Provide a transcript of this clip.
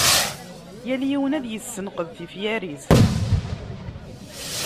Yal yiwen ad yessenqed tifyar-is.